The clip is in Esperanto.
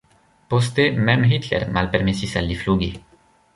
Poste mem Hitler malpermesis al li flugi.